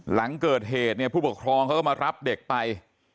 หลังเกิดเหตุเนี่ยผู้ปกครองเขาก็มารับเด็กไป